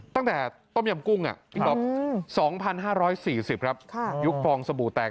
ตั้งแต่ต้มยำกุ้งพี่ก๊อฟ๒๕๔๐ครับยุคฟองสบู่แตก